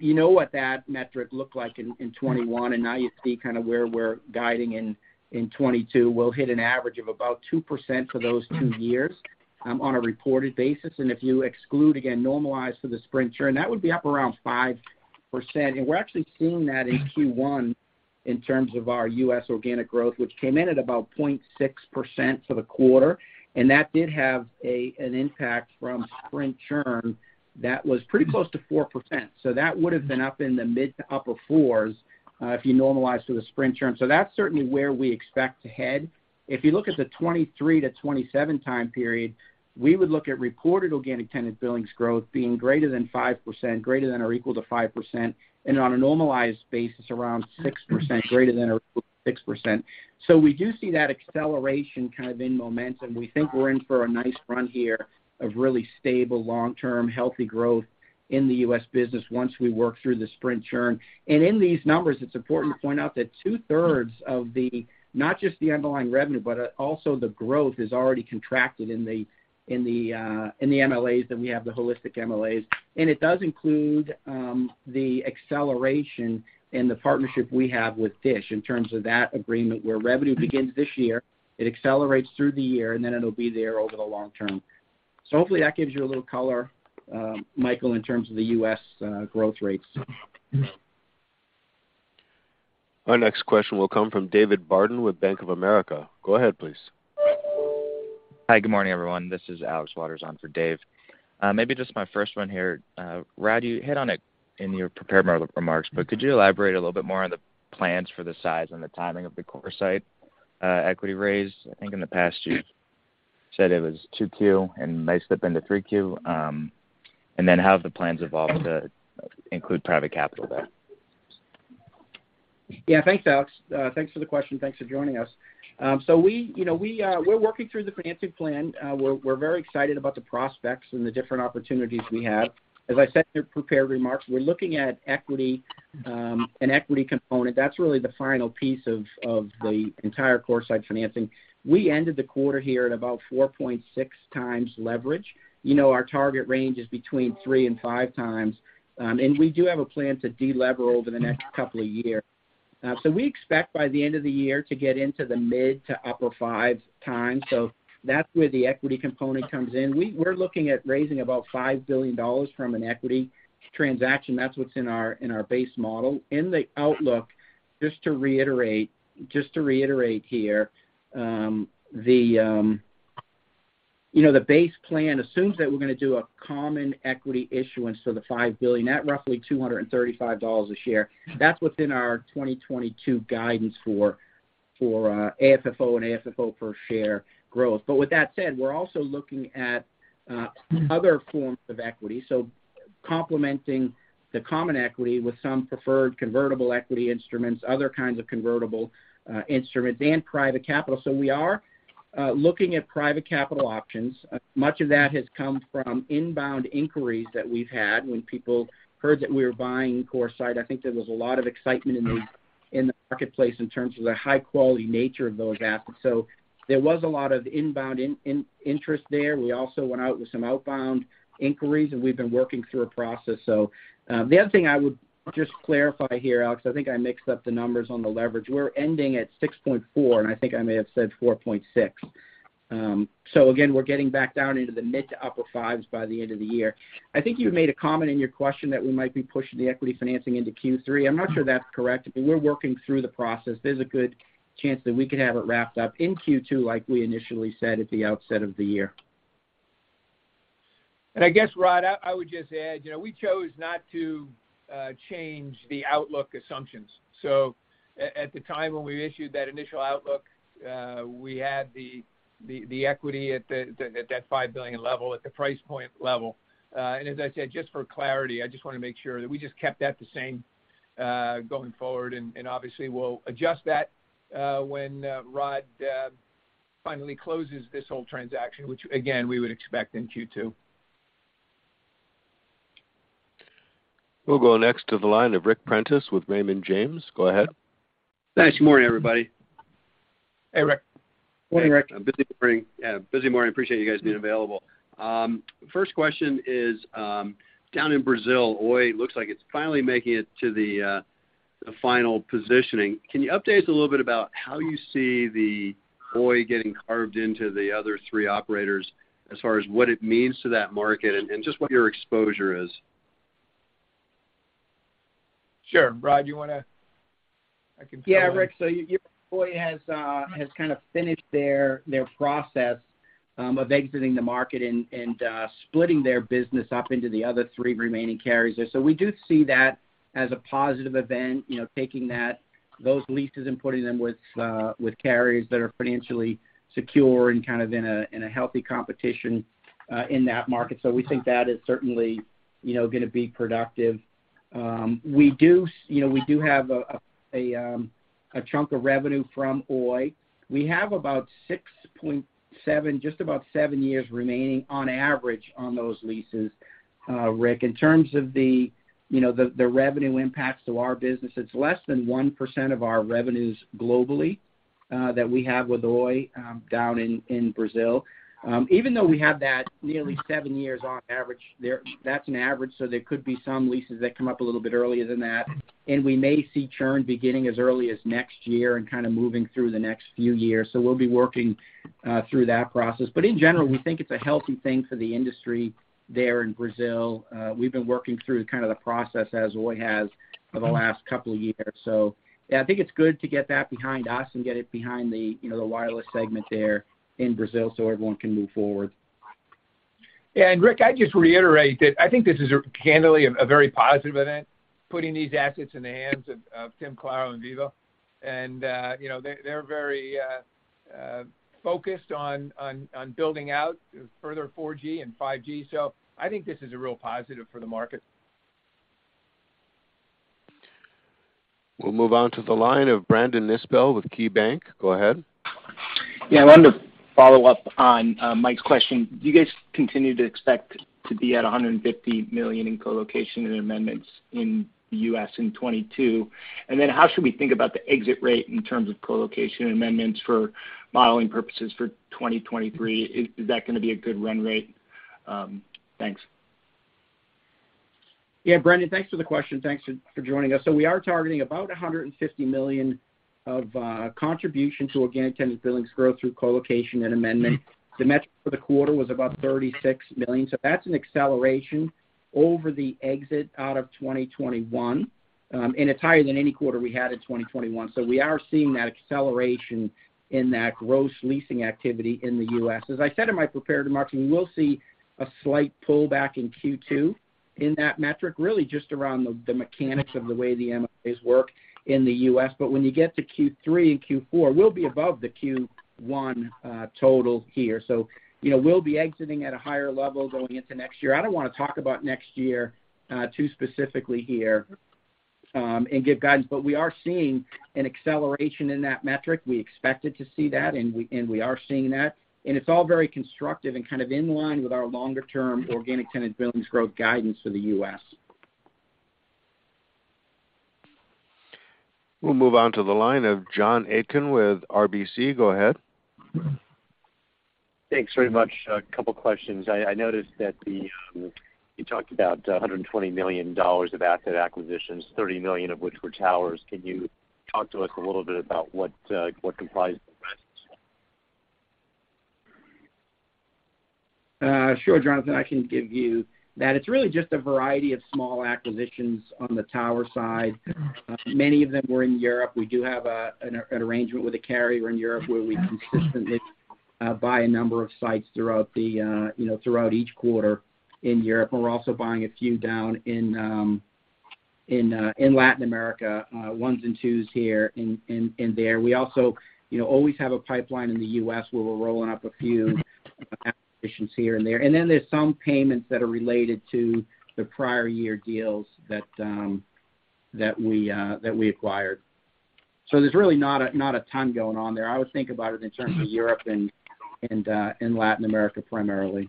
You know what that metric looked like in 2021, and now you see kind of where we're guiding in 2022. We'll hit an average of about 2% for those two years, on a reported basis. If you exclude, again, normalize for the Sprint churn, that would be up around 5%. We're actually seeing that in Q1 in terms of our U.S. organic growth, which came in at about 0.6% for the quarter. That did have an impact from Sprint churn that was pretty close to 4%. That would have been up in the mid- to upper-4s if you normalize for the Sprint churn. That's certainly where we expect to head. If you look at the 2023-2027 time period, we would look at reported organic tenant billings growth being greater than 5%, greater than or equal to 5%, and on a normalized basis, around 6%, greater than or equal to 6%. We do see that acceleration kind of in momentum. We think we're in for a nice run here of really stable, long-term, healthy growth in the U.S. business once we work through the Sprint churn. In these numbers, it's important to point out that two-thirds of the, not just the underlying revenue, but also the growth is already contracted in the MLAs, then we have the holistic MLAs. It does include the acceleration in the partnership we have with DISH in terms of that agreement where revenue begins this year, it accelerates through the year, and then it'll be there over the long term. Hopefully that gives you a little color, Michael, in terms of the U.S. growth rates. Our next question will come from David Barden with Bank of America. Go ahead, please. Hi, good morning, everyone. This is Alex Waters on for Dave. Maybe just my first one here. Rod, you hit on it in your prepared remarks, but could you elaborate a little bit more on the plans for the size and the timing of the CoreSite equity raise? I think in the past, you said it was 2Q and may slip into 3Q. How have the plans evolved to include private capital there? Yeah. Thanks, Alex. Thanks for the question. Thanks for joining us. So we, you know, we're working through the financing plan. We're very excited about the prospects and the different opportunities we have. As I said in the prepared remarks, we're looking at equity, an equity component. That's really the final piece of the entire CoreSite financing. We ended the quarter here at about 4.6 times leverage. You know our target range is between three and five times. We do have a plan to delever over the next couple of years. We expect by the end of the year to get into the mid to upper five times. That's where the equity component comes in. We're looking at raising about $5 billion from an equity transaction. That's what's in our base model. In the outlook, just to reiterate here, you know, the base plan assumes that we're gonna do a common equity issuance of the $5 billion at roughly $235 a share. That's within our 2022 guidance for AFFO and AFFO per share growth. With that said, we're also looking at other forms of equity, so complementing the common equity with some preferred convertible equity instruments, other kinds of convertible instruments and private capital. We are looking at private capital options. Much of that has come from inbound inquiries that we've had. When people heard that we were buying CoreSite, I think there was a lot of excitement in the marketplace in terms of the high-quality nature of those assets. There was a lot of inbound interest there. We also went out with some outbound inquiries, and we've been working through a process. The other thing I would just clarify here, Alex, I think I mixed up the numbers on the leverage. We're ending at 6.4, and I think I may have said 4.6. Again, we're getting back down into the mid- to upper fives by the end of the year. I think you made a comment in your question that we might be pushing the equity financing into Q3. I'm not sure that's correct, but we're working through the process. There's a good chance that we could have it wrapped up in Q2 like we initially said at the outset of the year. I guess, Rod, I would just add, you know, we chose not to change the outlook assumptions. At the time when we issued that initial outlook, we had the equity at that $5 billion level, at the price point level. As I said, just for clarity, I just wanna make sure that we just kept that the same going forward. Obviously we'll adjust that when Rod finally closes this whole transaction, which again, we would expect in Q2. We'll go next to the line of Ric Prentiss with Raymond James. Go ahead. Thanks. Morning, everybody. Hey, Ric. Morning, Ric. Yeah, busy morning. Appreciate you guys being available. First question is down in Brazil, Oi looks like it's finally making it to the final positioning. Can you update us a little bit about how you see the Oi getting carved into the other three operators as far as what it means to that market and just what your exposure is? Sure. Rod, you wanna. I can. Yeah, Ric, your Oi has kind of finished their process of exiting the market and splitting their business up into the other three remaining carriers there. We do see that as a positive event, you know, taking those leases and putting them with carriers that are financially secure and kind of in a healthy competition in that market. We think that is certainly, you know, gonna be productive. We do, you know, have a chunk of revenue from Oi. We have about 6.7, just about seven years remaining on average on those leases, Ric. In terms of, you know, the revenue impacts to our business, it's less than 1% of our revenues globally that we have with Oi down in Brazil. Even though we have that nearly seven years on average there, that's an average, so there could be some leases that come up a little bit earlier than that. We may see churn beginning as early as next year and kind of moving through the next few years. We'll be working through that process. In general, we think it's a healthy thing for the industry there in Brazil. We've been working through kind of the process as Oi has for the last couple years. Yeah, I think it's good to get that behind us and get it behind the, you know, the wireless segment there in Brazil so everyone can move forward. Yeah. Ric, I'd just reiterate that I think this is, candidly, a very positive event, putting these assets in the hands of TIM, Claro and Vivo. You know, they're very focused on building out further 4G and 5G. I think this is a real positive for the market. We'll move on to the line of Brandon Nispel with KeyBanc. Go ahead. Yeah, I wanted to follow up on Mike's question. Do you guys continue to expect to be at $150 million in colocation and amendments in the U.S. in 2022? How should we think about the exit rate in terms of colocation amendments for modeling purposes for 2023? Is that gonna be a good run rate? Thanks. Yeah. Brandon, thanks for the question. Thanks for joining us. We are targeting about $150 million of contribution to organic tenant billings growth through colocation and amendment. The metric for the quarter was about $36 million, that's an acceleration over the exit out of 2021. And it's higher than any quarter we had in 2021. We are seeing that acceleration in that gross leasing activity in the U.S. As I said in my prepared remarks, we will see a slight pullback in Q2 in that metric, really just around the mechanics of the way the MLAs work in the U.S. But when you get to Q3 and Q4, we'll be above the Q1 total here. You know, we'll be exiting at a higher level going into next year. I don't wanna talk about next year, too specifically here, and give guidance, but we are seeing an acceleration in that metric. We expected to see that, and we are seeing that. It's all very constructive and kind of in line with our longer term organic tenant billings growth guidance for the U.S. We'll move on to the line of Jonathan Atkin with RBC. Go ahead. Thanks very much. A couple questions. I noticed that you talked about $120 million of asset acquisitions, $30 million of which were towers. Can you talk to us a little bit about what comprised the rest? Sure, Jonathan, I can give you that. It's really just a variety of small acquisitions on the tower side. Many of them were in Europe. We do have an arrangement with a carrier in Europe where we consistently buy a number of sites throughout, you know, throughout each quarter in Europe. We're also buying a few down in Latin America, ones and twos here and there. We also, you know, always have a pipeline in the U.S. where we're rolling up a few acquisitions here and there. Then there's some payments that are related to the prior year deals that we acquired. There's really not a ton going on there. I would think about it in terms of Europe and Latin America primarily.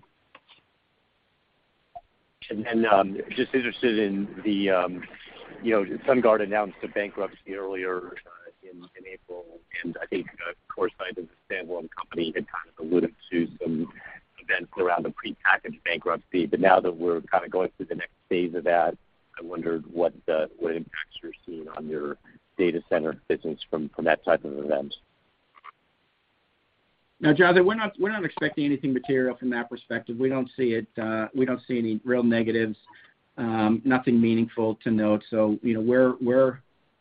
Just interested in the, you know, Sungard announced a bankruptcy earlier in April. I think CoreSite as a standalone company had kind of alluded to some events around a prepackaged bankruptcy. Now that we're kind of going through the next phase of that, I wondered what impacts you're seeing on your data center business from that type of event. No, Jonathan, we're not expecting anything material from that perspective. We don't see it. We don't see any real negatives, nothing meaningful to note. You know,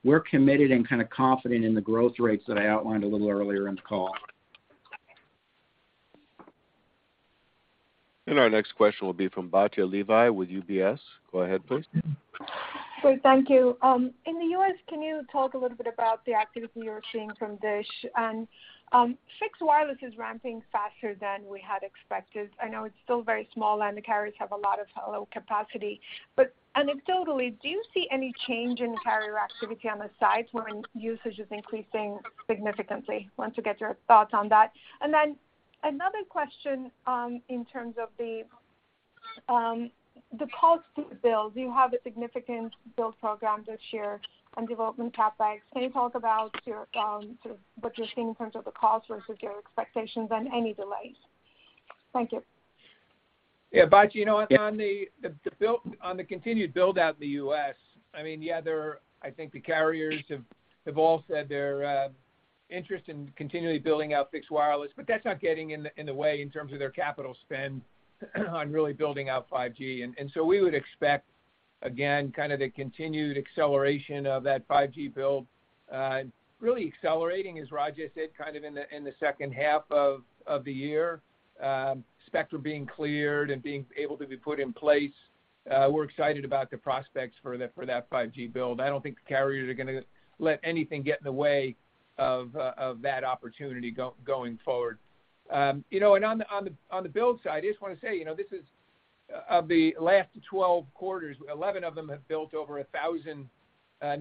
we're committed and kind of confident in the growth rates that I outlined a little earlier in the call. Our next question will be from Batya Levi with UBS. Go ahead, please. Great. Thank you. In the U.S., can you talk a little bit about the activity you're seeing from DISH? Fixed wireless is ramping faster than we had expected. I know it's still very small, and the carriers have a lot of low capacity. Anecdotally, do you see any change in carrier activity on the sites when usage is increasing significantly? Wanted to get your thoughts on that. Another question, in terms of the cost to build. You have a significant build program this year on development CapEx. Can you talk about your, sort of what you're seeing in terms of the cost versus your expectations and any delays? Thank you. Yeah. Batya, you know what? On the continued build-out in the U.S., I mean, yeah, I think the carriers have all said they're interested in continually building out fixed wireless, but that's not getting in the way in terms of their capital spend on really building out 5G. We would expect, again, kind of the continued acceleration of that 5G build, really accelerating, as Rod said, kind of in the second half of the year. Spectrum being cleared and being able to be put in place, we're excited about the prospects for that 5G build. I don't think the carriers are gonna let anything get in the way of that opportunity going forward. You know, on the build side, I just wanna say, you know, this is of the last 12 quarters, 11 of them have built over 1,000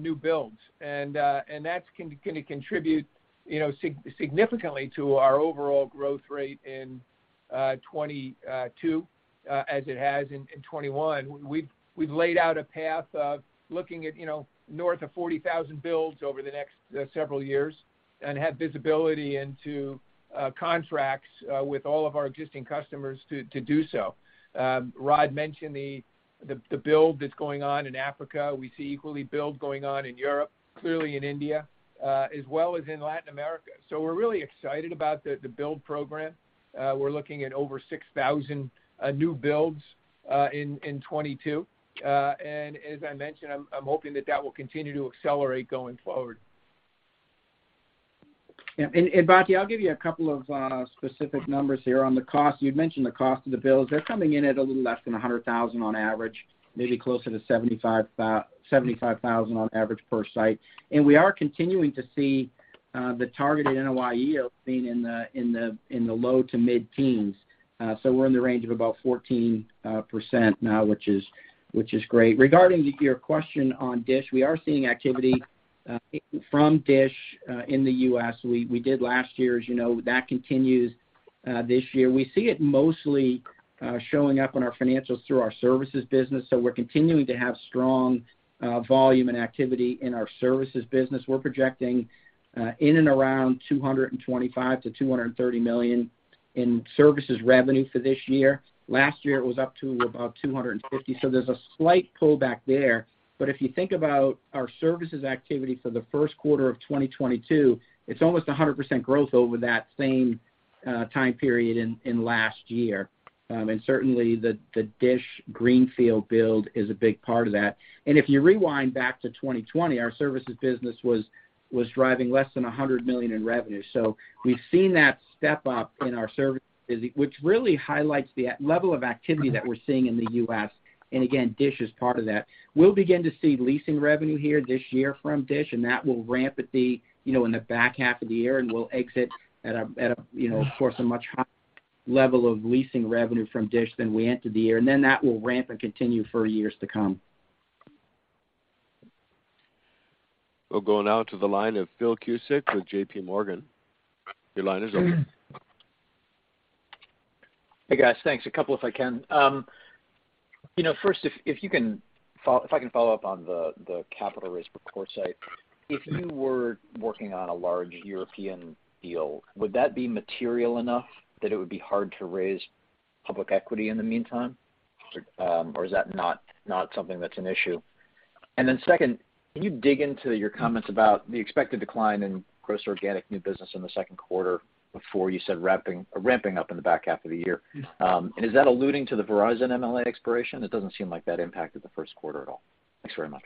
new builds. That's gonna contribute, you know, significantly to our overall growth rate in 2022, as it has in 2021. We've laid out a path of looking at, you know, north of 40,000 builds over the next several years and have visibility into contracts with all of our existing customers to do so. Rod mentioned the build that's going on in Africa. We see equal build going on in Europe, clearly in India, as well as in Latin America. We're really excited about the build program. We're looking at over 6,000 new builds in 2022. As I mentioned, I'm hoping that will continue to accelerate going forward. Yeah. Batya, I'll give you a couple of specific numbers here on the cost. You'd mentioned the cost of the builds. They're coming in at a little less than $100,000 on average, maybe closer to $75,000 on average per site. We are continuing to see the targeted NOI yield being in the low to mid-teens. So we're in the range of about 14% now, which is great. Regarding your question on DISH, we are seeing activity from DISH in the U.S. We did last year, as you know. That continues this year. We see it mostly showing up on our financials through our services business, so we're continuing to have strong volume and activity in our services business. We're projecting in and around $225 million-$230 million in services revenue for this year. Last year, it was up to about $250 million, so there's a slight pullback there. If you think about our services activity for the first quarter of 2022, it's almost 100% growth over that same time period in last year. Certainly the DISH greenfield build is a big part of that. If you rewind back to 2020, our services business was driving less than $100 million in revenue. We've seen that step up in our services, which really highlights the level of activity that we're seeing in the U.S., and again, DISH is part of that. We'll begin to see leasing revenue here this year from DISH, and that will ramp at the, you know, in the back half of the year and will exit at a, you know, of course, a much higher level of leasing revenue from DISH than we entered the year. Then that will ramp and continue for years to come. We'll go now to the line of Phil Cusick with JPMorgan. Your line is open. Hey, guys. Thanks. A couple if I can. First, if you can follow up on the capital raise for CoreSite. If you were working on a large European deal, would that be material enough that it would be hard to raise public equity in the meantime? Or is that not something that's an issue? Then second, can you dig into your comments about the expected decline in gross organic new business in the second quarter before you said ramping up in the back half of the year? Is that alluding to the Verizon MLA expiration? It doesn't seem like that impacted the first quarter at all. Thanks very much.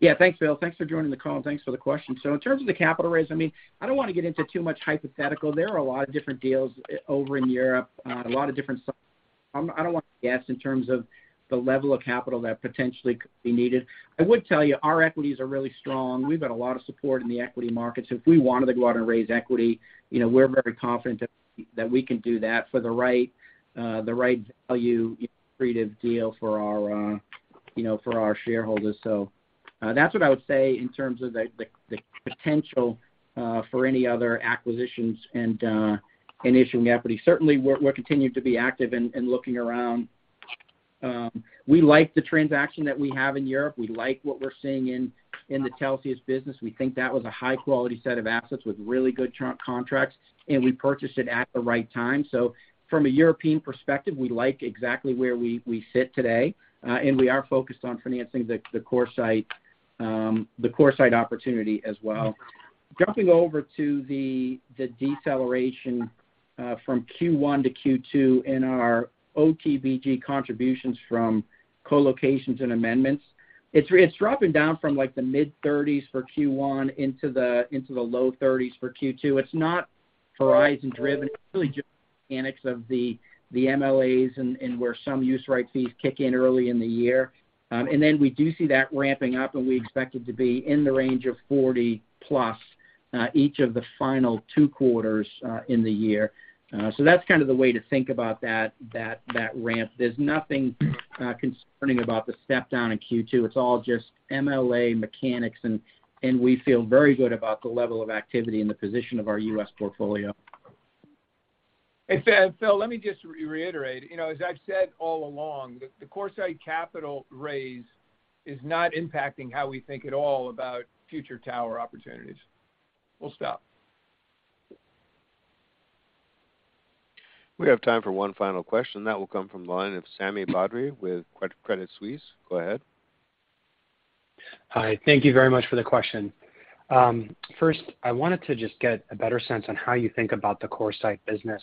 Yeah. Thanks, Phil. Thanks for joining the call, and thanks for the question. In terms of the capital raise, I mean, I don't wanna get into too much hypothetical. There are a lot of different deals over in Europe. I don't want to guess in terms of the level of capital that potentially could be needed. I would tell you, our equities are really strong. We've got a lot of support in the equity markets. If we wanted to go out and raise equity, you know, we're very confident that we can do that for the right value accretive deal for our, you know, for our shareholders. That's what I would say in terms of the potential for any other acquisitions and issuing equity. Certainly we're continuing to be active and looking around. We like the transaction that we have in Europe. We like what we're seeing in the Telxius business. We think that was a high-quality set of assets with really good contracts, and we purchased it at the right time. From a European perspective, we like exactly where we sit today, and we are focused on financing the CoreSite opportunity as well. Jumping over to the deceleration from Q1 to Q2 in our OTBG contributions from co-locations and amendments, it's dropping down from like the mid-thirties for Q1 into the low thirties for Q2. It's not Verizon-driven. It's really just the mechanics of the MLAs and where some use right fees kick in early in the year. We do see that ramping up, and we expect it to be in the range of 40+ each of the final two quarters in the year. That's kind of the way to think about that ramp. There's nothing concerning about the step down in Q2. It's all just MLA mechanics and we feel very good about the level of activity and the position of our U.S. portfolio. Phil, let me just reiterate. You know, as I've said all along, the CoreSite capital raise is not impacting how we think at all about future tower opportunities. We'll stop. We have time for one final question. That will come from the line of Sami Badri with Credit Suisse. Go ahead. Hi. Thank you very much for the question. First, I wanted to just get a better sense on how you think about the CoreSite business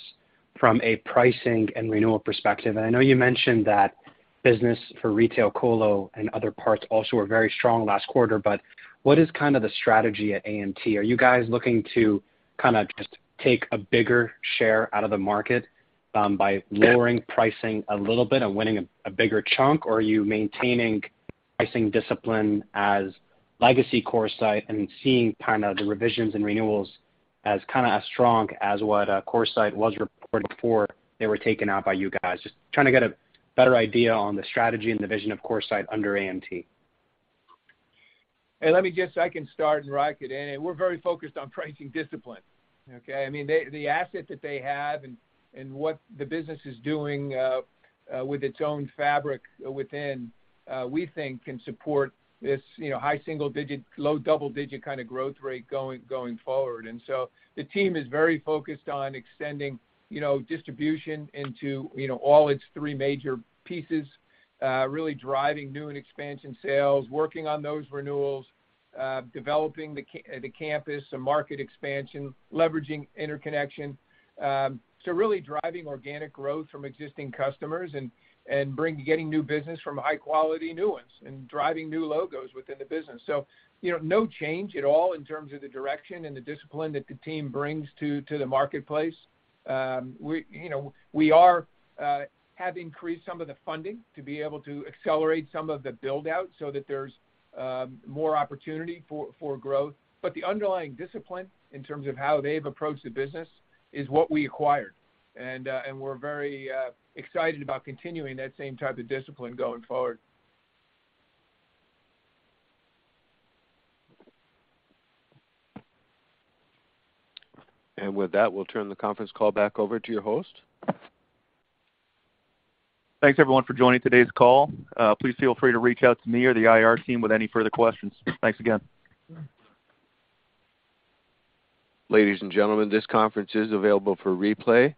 from a pricing and renewal perspective. I know you mentioned that business for retail colo and other parts also were very strong last quarter, but what is kind of the strategy at AMT? Are you guys looking to kinda just take a bigger share out of the market by lowering pricing a little bit and winning a bigger chunk? Or are you maintaining pricing discipline at legacy CoreSite and seeing kind of the revisions and renewals as kinda as strong as what, CoreSite was reporting before they were taken out by you guys. Just trying to get a better idea on the strategy and the vision of CoreSite under AMT. Hey, let me just, I can start and Rod can end. We're very focused on pricing discipline, okay? I mean, they, the asset that they have and what the business is doing with its own fabric within, we think can support this, you know, high single digit, low double digit kinda growth rate going forward. The team is very focused on extending, you know, distribution into, you know, all its three major pieces, really driving new and expansion sales, working on those renewals, developing the campus, some market expansion, leveraging interconnection. Really driving organic growth from existing customers and getting new business from high quality new ones and driving new logos within the business. You know, no change at all in terms of the direction and the discipline that the team brings to the marketplace. You know, we have increased some of the funding to be able to accelerate some of the build-out so that there's more opportunity for growth. The underlying discipline in terms of how they've approached the business is what we acquired. We're very excited about continuing that same type of discipline going forward. With that, we'll turn the conference call back over to your host. Thanks everyone for joining today's call. Please feel free to reach out to me or the IR team with any further questions. Thanks again. Ladies and gentlemen, this conference is available for replay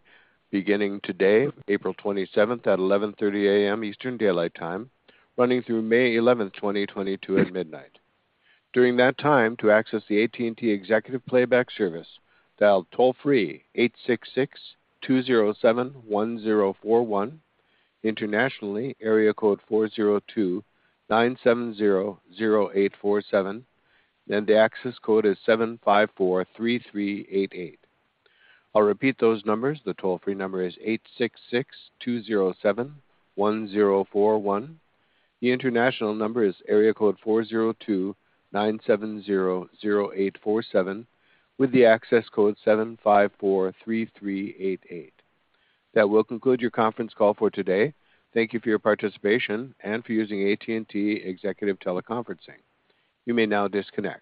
beginning today, April 27th at 11:30 A.M. Eastern Daylight Time, running through May 11th, 2022 at midnight. During that time, to access the AT&T Executive Playback service, dial toll-free 866-207-1041. Internationally, area code 402-970-0847, and the access code is 754-388. I'll repeat those numbers. The toll-free number is 866-207-1041. The international number is area code 402-970-0847, with the access code 754-388. That will conclude your conference call for today. Thank you for your participation and for using AT&T Executive Teleconferencing. You may now disconnect.